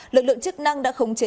lực lượng chức năng đã khống trọng